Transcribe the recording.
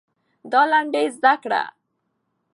دا لنډۍ زده کړه.